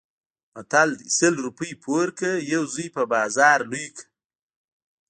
متل دی: سل روپۍ پور کړه یو زوی په بازار لوی کړه.